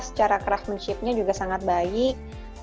secara craftmanship nya juga sangat baik